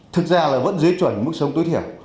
thực ra là vẫn dưới chuẩn mức sống tối thiểu